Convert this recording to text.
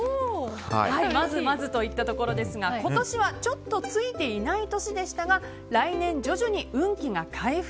まずまずといったところですが今年はちょっとついていない年でしたが来年、徐々に運気が回復。